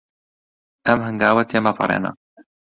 ئەم هەنگاوە تێمەپەڕێنە.